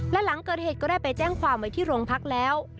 และหลังเกิดเหตุก็ได้ไปแจ้งความไว้ที่โรงพักแล้ว